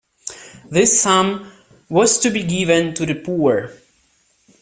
This sum was to be given to the poor.